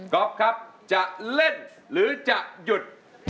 ครับจะเล่นหรือจะหยุด